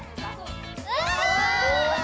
うわ！